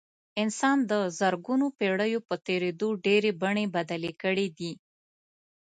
انسان د زرګونو پېړیو په تېرېدو ډېرې بڼې بدلې کړې دي.